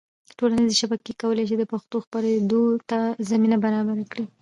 ټولنیزې شبکې کولی سي د پښتو خپرېدو ته زمینه برابره کړي.